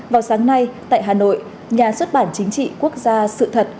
vào sáng nay tại hà nội nhà xuất bản chính trị quốc gia sự thật